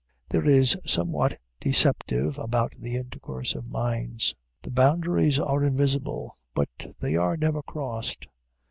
There is somewhat deceptive about the intercourse of minds. The boundaries are invisible, but they are never crossed.